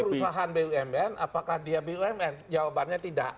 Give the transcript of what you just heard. perusahaan bumn apakah dia bumn jawabannya tidak